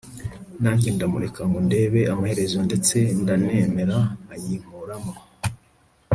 nanjye ndamureka ngo ndebe amaherezo ndetse ndanemera ayinkuramo